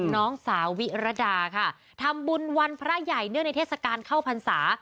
น้องสาววิรดาค่ะทำบุญวันพระใหญ่เนื่องในเทศกาลเข้าพรรษา